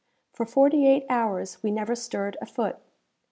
For forty eight hours we never stirred a foot.